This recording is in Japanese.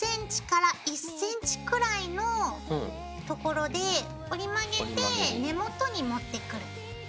０．５ｃｍ１ｃｍくらいのところで折り曲げて根元に持ってくる。